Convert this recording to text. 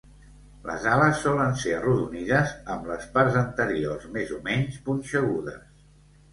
Les ales solen ser arrodonides amb les parts anteriors més o menys punxegudes.